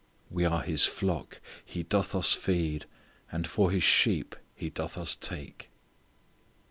"We are His flock; He doth us feed. And for His sheep, He doth us take."